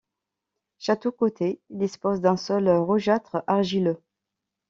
Château Coutet dispose d'un sol rougeâtre argileux.